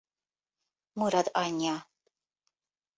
Murad anyja.